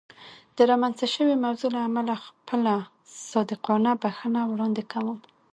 د رامنځته شوې موضوع له امله خپله صادقانه بښنه وړاندې کوم.